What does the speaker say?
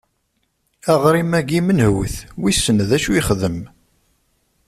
Aɣrim-agi menhut? Wissen d acu yexdem?